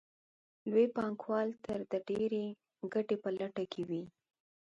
لوی پانګوال تل د ډېرې ګټې په لټه کې وي